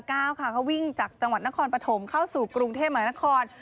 เขาวิ่งจากจังหวัดนครปฐมเข้าสู่กรุงเทพมหานคร